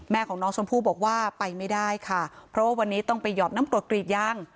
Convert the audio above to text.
ของน้องชมพู่บอกว่าไปไม่ได้ค่ะเพราะว่าวันนี้ต้องไปหยอดน้ำกรดกรีดยาง